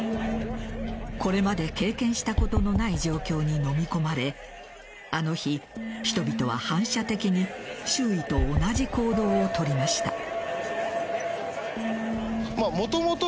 これまで経験したことのない状況にのみ込まれあの日、人々は反射的に周囲と同じ行動をとりました。